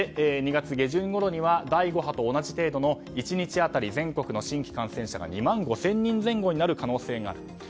２月の下旬ごろには第５波と同じ程度の１日当たり新規感染者が２万５０００人前後になる可能性がある。